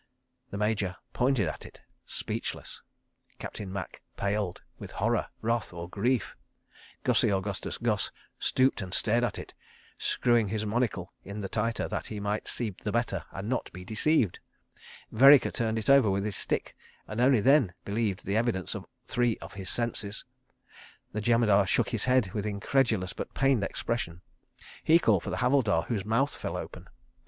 The Major pointed at it, speechless. Captain Macke paled—with horror, wrath or grief. Gussie Augustus Gus stooped and stared at it, screwing his monocle in the tighter, that he might see the better and not be deceived. Vereker turned it over with his stick, and only then believed the evidence of three of his senses. The Jemadar shook his head with incredulous but pained expression. He called for the Havildar, whose mouth fell open.